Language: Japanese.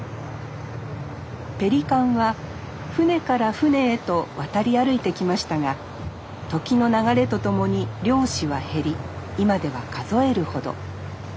ペリカンは船から船へと渡り歩いてきましたが時の流れと共に漁師は減り今では数えるほど。